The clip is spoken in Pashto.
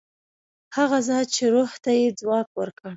هغه ذات چې روح ته یې ځواک ورکړ.